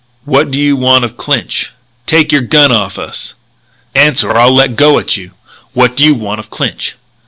"What do you want of Clinch?" "Take your gun off us!" "Answer, or I'll let go at you. What do you want of Clinch?"